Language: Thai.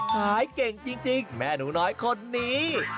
เก่งจริงแม่หนูน้อยคนนี้